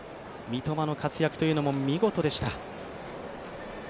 三笘の活躍というのも見事でした。